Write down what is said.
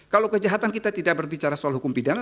kalau kejahatan kita tidak berbicara soal hukum pidana